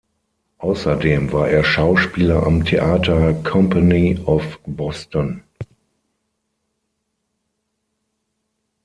Außerdem war er Schauspieler am Theater Company of Boston.